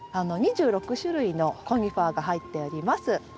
２６種類のコニファーが入っております。